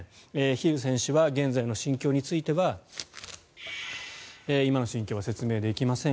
ヒル選手は現在の心境については今の心境は説明できません